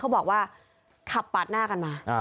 บอกว่าขับปาดหน้ากันมา